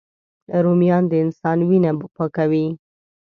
رومیان د انسان وینه پاکوي